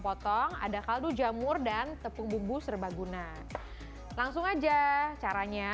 potong ada kaldu jamur dan tepung bumbu serbaguna langsung aja caranya